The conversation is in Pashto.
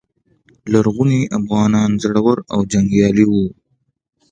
لرغوني افغانان زړور او جنګیالي وو